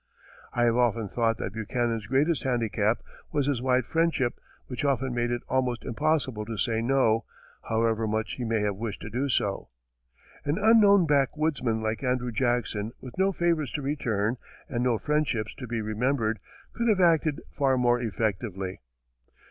I have often thought that Buchanan's greatest handicap was his wide friendship, which often made it almost impossible to say no, however much he may have wished to do so. An unknown backwoodsman, like Andrew Jackson, with no favors to return and no friendships to be remembered, could have acted far more effectively.